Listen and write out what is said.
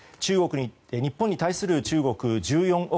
日本に対する中国１４億